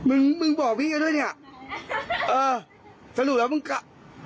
มึงมึงบอกพี่กันด้วยเนี่ยเออสรุปแล้วมึงกลับ